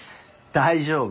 大丈夫。